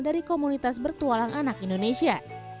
dari komunitas bertualang anak indonesia